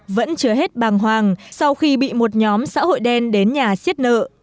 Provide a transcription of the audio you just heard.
vẫn chưa hết bàng hoàng sau khi bị một nhóm xã hội đen đến nhà xiết nợ